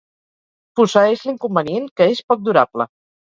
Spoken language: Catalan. Posseeix l'inconvenient que és poc durable.